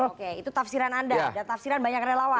oke itu tafsiran anda dan tafsiran banyak relawan